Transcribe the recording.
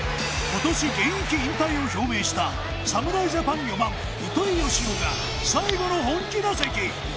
今年現役引退を表明した侍ジャパン４番・糸井嘉男が最後の本気打席。